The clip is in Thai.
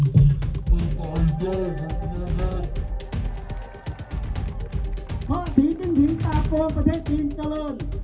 เพราะสีจิ้นผิดปากโกงประเทศจีนจะโรณ